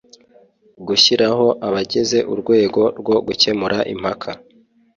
gushyiraho abagize urwego rwo gukemura impaka